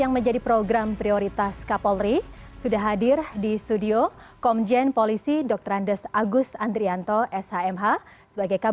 terima kasih sudah hadir di studio sna indonesia